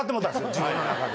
自分の中で。